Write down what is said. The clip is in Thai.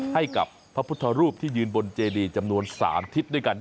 ให้กับพระพุทธรูปที่ยืนบนเจดีจำนวน๓ทิศด้วยกัน